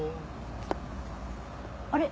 あれ？